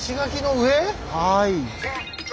はい。